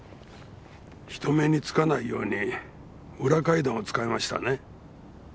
人目につかないように裏階段を使いましたね？